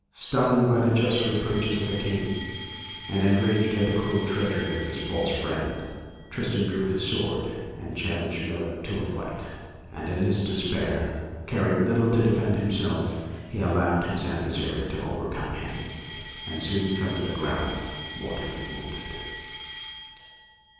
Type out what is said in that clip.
Stung by the just reproaches of the King, and enraged at the cruel treachery of his false friend, Tristan drew his sword and challenged Melot to fight; and in his despair, caring little to defend himself, he allowed his adversary to overcome him, and soon fell to the ground mortally wounded.